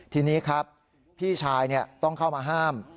ทีนี้ครับพี่ชายต้องเข้ามาห้าม